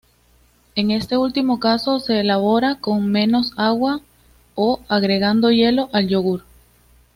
En este último caso se elabora con menos agua, o agregando hielo al yogur.